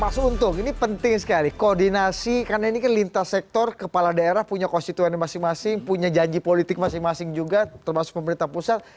mas untung ini penting sekali koordinasi karena ini kan lintas sektor kepala daerah punya konstituen masing masing punya janji politik masing masing juga termasuk pemerintah pusat